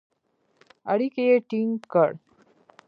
اړیکي یې ټینګ کړل.